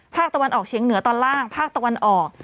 ภาคตะวันออกเฉียงเหนือตอนล่างภาคตะวันออก